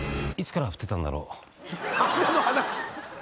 雨の話。